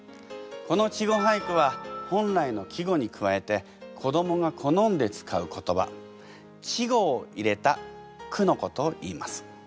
この稚語俳句は本来の季語に加えて子どもが好んで使う言葉稚語を入れた句のことをいいます。